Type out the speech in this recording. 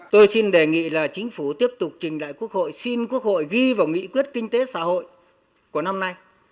tôi xin đề nghị là chính phủ tiếp tục trình đại quốc hội xin quốc hội ghi vào nghị quyết kinh tế xã hội của năm nay